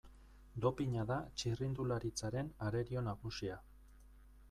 Dopina da txirrindularitzaren arerio nagusia.